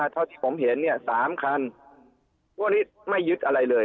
เท่าที่ผมเห็นเนี่ย๓คันพวกนี้ไม่ยึดอะไรเลย